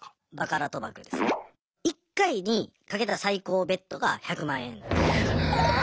１回に賭けた最高ＢＥＴが１００万円。